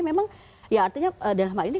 memang ya artinya dalam hal ini